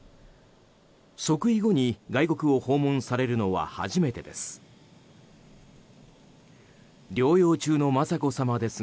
即位後に外国を訪問されるのは初めてです。